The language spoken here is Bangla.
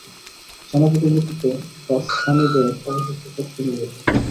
সেনাপতির মৃত্যুতে গাসসানীদের অবশিষ্ট শক্তিও নিভে যায়।